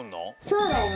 そうだよ。